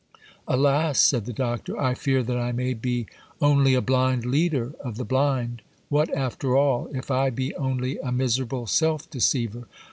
'Alas!' said the Doctor, 'I fear that I may be only a blind leader of the blind. What, after all, if I be only a miserable self deceiver?